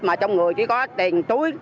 mà trong người chỉ có tiền túi